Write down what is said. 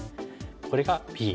これがＢ。